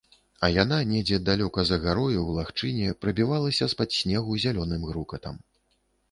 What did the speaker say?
А яна недзе далёка за гарою, у лагчыне, прабівалася з-пад снегу зялёным грукатам.